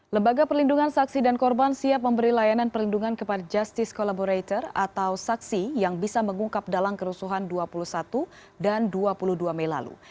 lembaga perlindungan saksi dan korban siap memberi layanan perlindungan kepada justice collaborator atau saksi yang bisa mengungkap dalam kerusuhan dua puluh satu dan dua puluh dua mei lalu